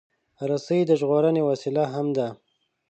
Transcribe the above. رسۍ د ژغورنې وسیله هم ده.